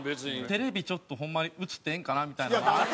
テレビちょっとホンマに映ってええんかなみたいなのがあるから。